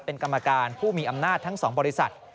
เป็นกรรมการผู้มีอำนาจทั้ง๒บริษัท